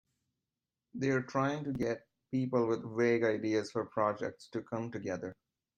They're trying to get people with vague ideas for projects to come together.